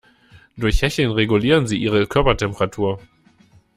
Durch Hecheln regulieren sie ihre Körpertemperatur.